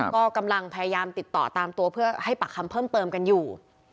ก็กำลังพยายามติดต่อตามตัวเพื่อให้ปากคำเพิ่มเติมกันอยู่